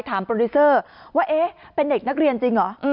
โปรดิวเซอร์ว่าเอ๊ะเป็นเด็กนักเรียนจริงเหรอ